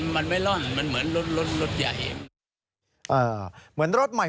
มันไม่ร่อนเหมือนรถใหญ่